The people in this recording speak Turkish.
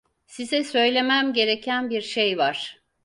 Size söylemem gereken bir şey var.